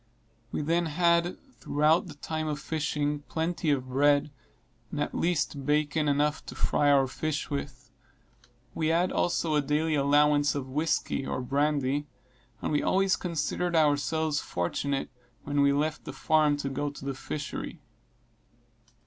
We then had, throughout the time of fishing, plenty of bread, and at least bacon enough to fry our fish with. We had also a daily allowance of whisky, or brandy, and we always considered ourselves fortunate when we left the farm to go to the fishery.